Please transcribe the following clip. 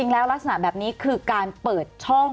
สวัสดีครับทุกคน